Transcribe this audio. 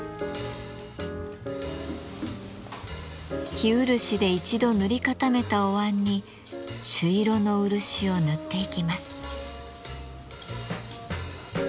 生漆で一度塗り固めたおわんに朱色の漆を塗っていきます。